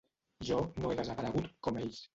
Jo no he desaparegut, com ells.